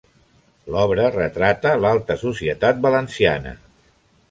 L’obra retrata l’alta societat valenciana.